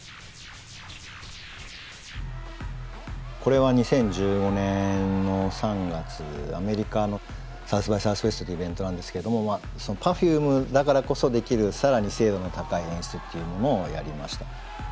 これは２０１５年の３月アメリカのサウス・バイ・サウスウエストというイベントなんですけどもＰｅｒｆｕｍｅだからこそできる更に精度の高い演出っていうものをやりました。